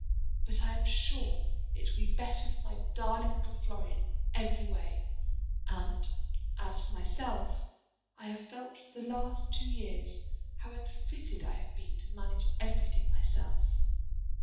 But I am sure it will be better for my darling little Florian in every way; and as for myself, I have felt for the last two years how unfitted I have been to manage everything myself.